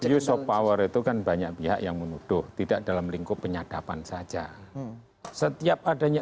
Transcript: abuse of power itu kan banyak pihak yang menuduh tidak dalam lingkup penyadapan saja setiap adanya